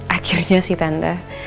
akhirnya sih tante